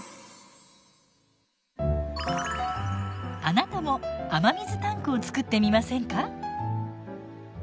あなたも雨水タンクをつくってみませんか？